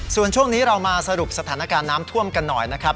ส่วนช่วงนี้เรามาสรุปสถานการณ์น้ำท่วมกันหน่อยนะครับ